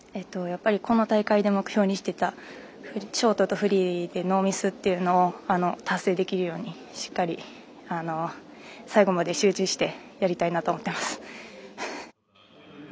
この大会で目標にしていたショートとフリーでノーミスというのを達成できるようにしっかり最後まで集中してやりたいなと思っています。